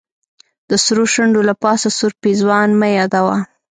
د سرو شونډو له پاسه سور پېزوان مه یادوه.